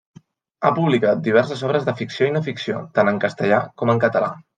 Ha publicat diverses obres de ficció i no ficció, tant en castellà com en català.